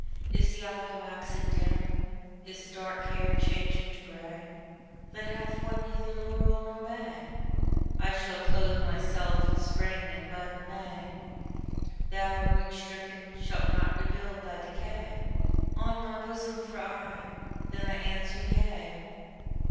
Is the eye waxen dim, is the dark hair changing to gray That hath won neither laurel nor bay? I shall clothe myself in Spring and bud in May: Thou, root stricken, shalt not rebuild thy decay On my bosom for aye. Then I answered: Yea.